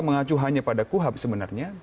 mengacu hanya pada kuhap sebenarnya